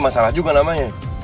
masalah juga namanya